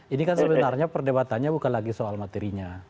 ini kan sebenarnya perdebatannya bukan lagi soal materinya